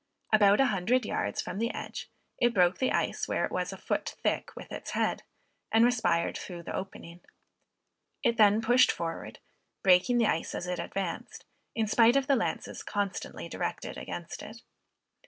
About an hundred yards from the edge, it broke the ice where it was a foot thick, with its head, and respired through the opening. It then pushed forward, breaking the ice as it advanced, in spite of the lances constantly directed against it.